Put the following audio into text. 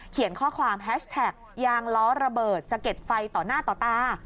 เขียนข้อความแฮชแท็กยางล้อระเบิดสะเก็ดไฟต่อหน้าต่อตา